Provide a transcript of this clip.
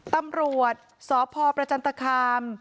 ตำรวจสพประจันตคาม